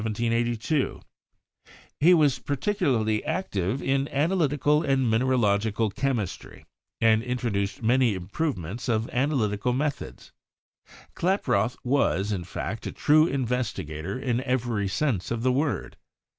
He was 172 CHEMISTRY particularly active in analytical and mineralogical chem istry, and introduced many improvements of analytical methods. Klaproth was, in fact, a true investigator in every sense of the word.